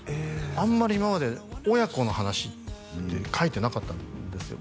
あんまり今まで親子の話って書いてなかったんですよ